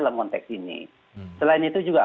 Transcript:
dalam konteks ini selain itu juga